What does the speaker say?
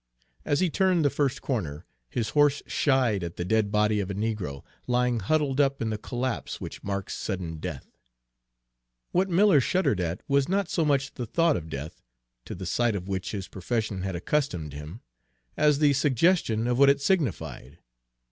As he turned the first corner, his horse shied at the dead body of a negro, lying huddled up in the collapse which marks sudden death. What Miller shuddered at was not so much the thought of death, to the sight of which his profession had accustomed him, as the suggestion of what it signified.